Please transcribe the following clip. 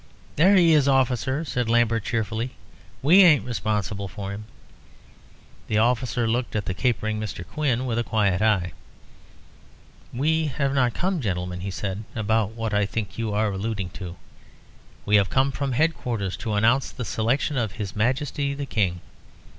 "There he is, officer," said Lambert, cheerfully; "we ain't responsible for him." The officer looked at the capering Mr. Quin with a quiet eye. "We have not come, gentlemen," he said, "about what I think you are alluding to. We have come from head quarters to announce the selection of His Majesty the King.